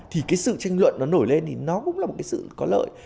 thì cái sự tranh luận nó nổi lên thì nó cũng là một cái sự có lợi